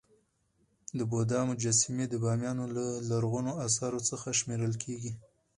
د بودا مجسمي د بامیان له لرغونو اثارو څخه شمېرل کيږي.